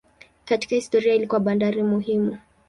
Katika historia ilikuwa bandari muhimu.